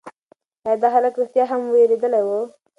ایا دا هلک رښتیا هم وېرېدلی و؟